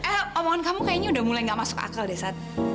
eh omongan kamu kayaknya udah mulai gak masuk akal deh saat